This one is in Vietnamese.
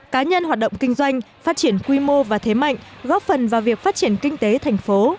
cá nhân hoạt động kinh doanh phát triển quy mô và thế mạnh góp phần vào việc phát triển kinh tế thành phố